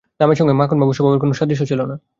নামের সঙ্গে মাখনবাবুর স্বভাবের কোনো সাদৃশ্য ছিল না।